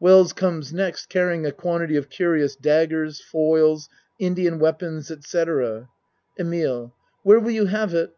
Wells comes next carrying a quantity of curious daggers, foils, Indian weapons, etc.) EMILE Where will you have it?